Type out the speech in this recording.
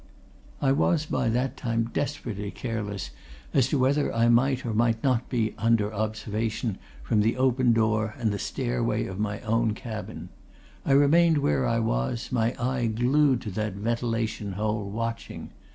I was by that time desperately careless as to whether I might or might not be under observation from the open door and stairway of my own cabin. I remained where I was, my eye glued to that ventilation hole, watching.